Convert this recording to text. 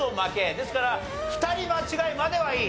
ですから２人間違いまではいい。